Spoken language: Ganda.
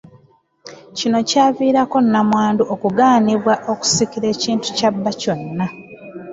Kino kyaviirangako Nnamwandu okugaanibwa okusikira ekintu kya bba kyonna.